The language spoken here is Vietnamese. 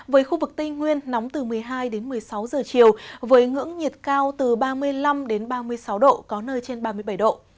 với khu vực tây nguyên nóng từ một mươi hai đến một mươi sáu giờ chiều với ngưỡng nhiệt cao từ ba mươi năm ba mươi sáu độ có nơi trên ba mươi bảy độ